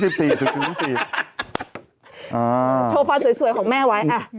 โชว์ฟันสวยของแม่ไว้อะ